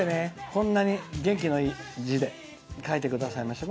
こんなに元気のいい字で書いてくださいました。